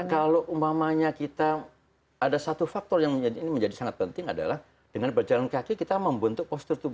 karena kalau umpamanya kita ada satu faktor yang menjadi ini menjadi sangat penting adalah dengan berjalan kaki kita membentuk posisi